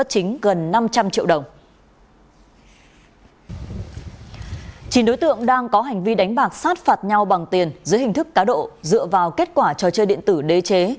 chính đối tượng đang có hành vi đánh bạc sát phạt nhau bằng tiền dưới hình thức cá độ dựa vào kết quả trò chơi điện tử đế chế